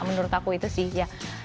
menurut aku itu sih ya